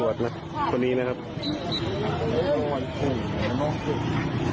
ประชาชนตัวคลิงเห็นลง